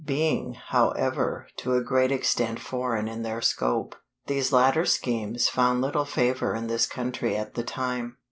Being, however, to a great extent foreign in their scope, these latter schemes found little favor in this country at the time.